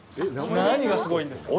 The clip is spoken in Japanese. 何がすごいんですか？